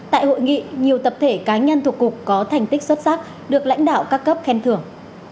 tại hội nghị nhiều tập thể cá nhân thuộc cục có thành tích xuất sắc được lãnh đạo các cấp khen thưởng